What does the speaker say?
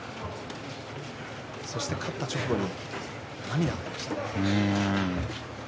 そして勝った直後に涙がありましたね。